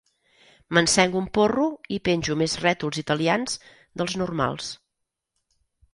M'encenc un porro i penjo més rètols italians dels normals.